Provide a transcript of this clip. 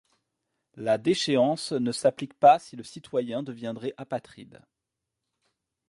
La déchéance ne s'applique pas si le citoyen deviendrait apatride.